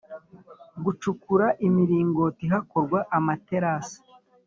Gucukura imiringoti hakorwa amaterasi